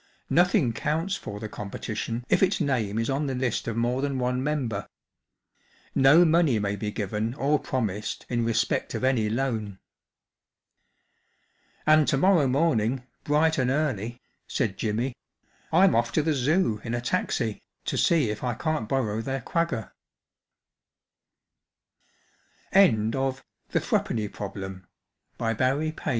Nothing counts for the competition if its name is on the list of more than one member. No money may be given or promised in respect of any loan." " And to morrow morning, bright and early/* said Jimmy, " I'm off to the Zoo in a taxi to see if I can't borrow their